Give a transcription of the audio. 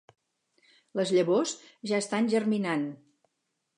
Les llavors ja estan germinant